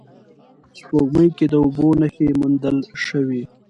سپوږمۍ کې د اوبو نخښې موندل شوې